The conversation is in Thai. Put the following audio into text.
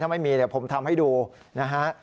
ไม่มีเดี๋ยวผมทำให้ดูนะฮะ